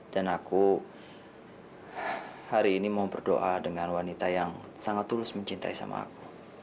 dan aku hari ini mau berdoa dengan wanita yang sangat tulus mencintai sama aku